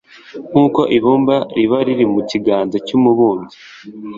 nk'uko ibumba riba riri mu kiganza cy'umubumbyi